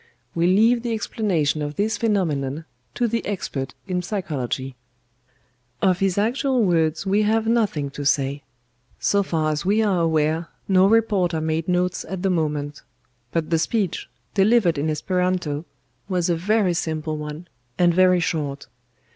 We leave the explanation of this phenomenon to the expert in psychology. "Of his actual words we have nothing to say. So far as we are aware no reporter made notes at the moment; but the speech, delivered in Esperanto, was a very simple one, and very short.